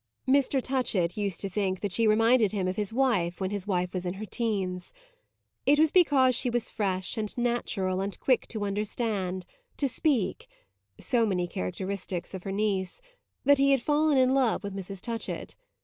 Mr. Touchett used to think that she reminded him of his wife when his wife was in her teens. It was because she was fresh and natural and quick to understand, to speak so many characteristics of her niece that he had fallen in love with Mrs. Touchett.